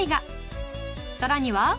さらには。